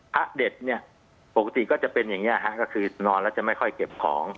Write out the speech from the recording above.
พระเด็ดเนี่ยปกติก็จะเป็นอย่างนี้ฮะก็คือนอนแล้วจะไม่ค่อยเก็บของ